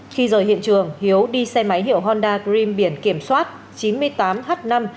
khi rời hiện trường hiếu đi xe máy hiệu honda grim biển kiểm soát chín mươi tám h năm hai nghìn tám trăm sáu mươi tám